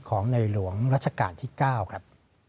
ของในหลวงรัชกาลที่๙ครับ